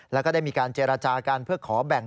แล้วก็ได้มีการเจรจากันเพื่อขอแบ่ง